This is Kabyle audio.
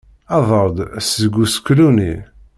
Ader-d seg useklu-nni!